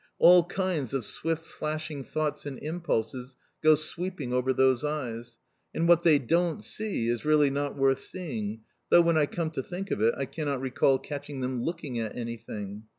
All kinds of swift flashing thoughts and impulses go sweeping over those eyes, and what they don't see is really not worth seeing, though, when I come to think of it, I cannot recall catching them looking at anything.